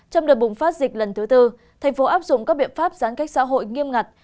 trong đợt bùng phát dịch lần thứ tư tp hcm áp dụng các biện pháp gián cách xã hội nghiêm ngặt